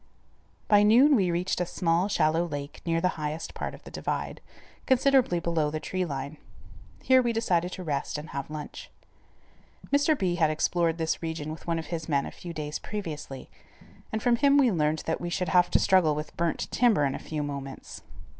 By noon we reached a small, shallow lake near the highest part of the divide, considerably below tree line. Here we decided to rest and have lunch. Mr. B. had explored this region with one of his men a few days previously, and from him we learned that we should have to struggle with burnt timber in a few moments.